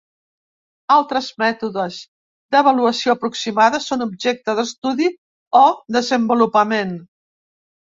Altres mètodes d'avaluació aproximada són objecte d'estudi o desenvolupament.